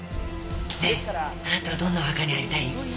ねえあなたはどんなお墓に入りたい？